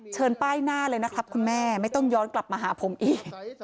ป้ายหน้าเลยนะครับคุณแม่ไม่ต้องย้อนกลับมาหาผมอีก